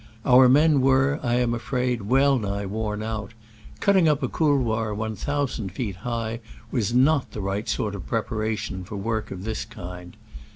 Our men were, I am afraid, wellnigh worn out: cutting op a couloir one thousand feet high was not the right sort of preparation for work of this kind.